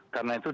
karena itu dia